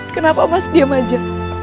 kenapa mas diam aja